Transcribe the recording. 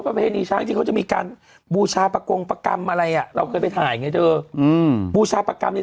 กระชะชั้นเขามีรูปมาแล้วเถอะ